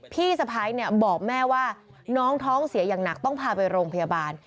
พี่สะพ้ายเนี่ยบอกแม่ว่าน้องท้องเสียอย่างหนักต้องพาไปโรงพยาบาล